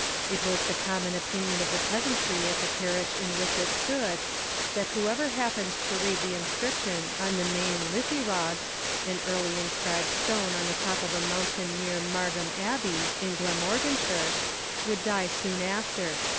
It was the common opinion of the peasantry of the parish in which it stood, that whoever happened to read the inscription on the Maen Llythyrog, an early inscribed stone on the top of a mountain near Margam Abbey, in Glamorganshire, would die soon after.